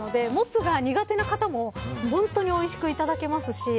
豚バラ肉なのでもつが苦手な方も本当においしくいただけますし。